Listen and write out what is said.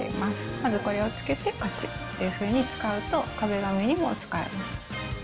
まずこれをつけて、こっちというふうに使うと、壁紙にも使えます。